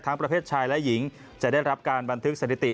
ประเภทชายและหญิงจะได้รับการบันทึกสถิติ